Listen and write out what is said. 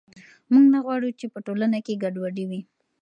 موږ نه غواړو چې په ټولنه کې ګډوډي وي.